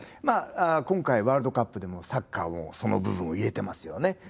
今回ワールドカップでもサッカーもその部分を入れてますよね。